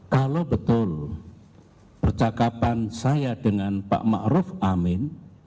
kalau betul percakapan saya dengan pak ma'ruf amin